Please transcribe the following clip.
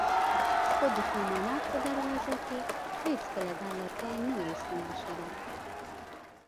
خو د سومنات په دروازو کې هېڅکله دا لرګی نه و استعمال شوی.